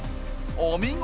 お見事！